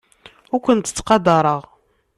Ur kent-ttqadareɣ.